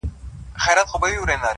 ورښكاره چي سي دښمن زړه يې لړزېږي-